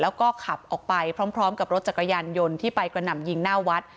แล้วก็ขับออกไปพร้อมกับรถจักรยานยนต์ที่ไปกระหน่ำยิงหน้าวัด